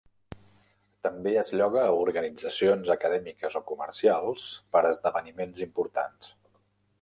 També es lloga a organitzacions acadèmiques o comercials per esdeveniments importants.